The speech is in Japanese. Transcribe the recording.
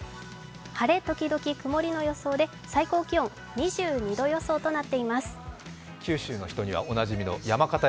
晴れ時々曇りの予想で、最高気温は２２度予想となっています。